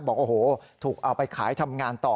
บอกโอ้โหถูกเอาไปขายทำงานต่อ